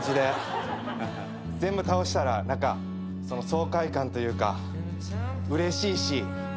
全部倒したら何か爽快感というかうれしいし。